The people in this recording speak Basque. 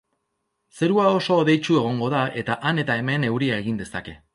Zerua oso hodeitsu egongo da eta han eta hemen euria egin dezake.